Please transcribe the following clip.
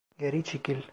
Geri çekil.